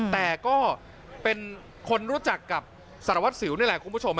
แต่ก็เป็นคนรู้จักกับสารวัตรสิวนี่แหละคุณผู้ชม